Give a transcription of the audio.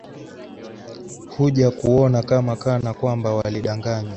huja kuona kama kana kwamba walidanganywaa